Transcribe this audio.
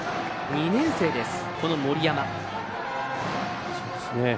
２年生です、森山。